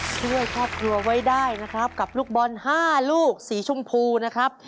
ช่วยครอบครัวไว้ได้นะครับกับลูกบอล๕ลูกสีชมพูนะครับ